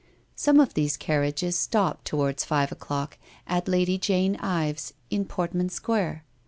Some of these carriages stopped, toward five o'clock, at Lady Jane Ives' in Portman Square.